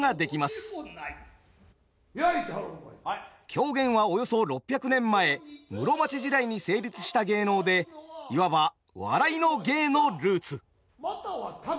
狂言はおよそ６００年前室町時代に成立した芸能でいわば「笑いの芸」のルーツ。